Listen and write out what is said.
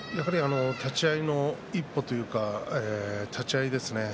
立ち合いの一歩というか立ち合いですね。